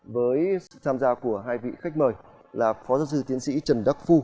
với sự tham gia của hai vị khách mời là phó giáo sư tiến sĩ trần đắc phu